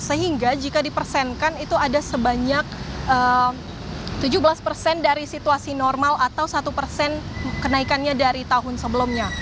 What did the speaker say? sehingga jika dipersankan itu ada sebanyak tujuh belas persen dari situasi normal atau satu persen kenaikannya dari tahun sebelumnya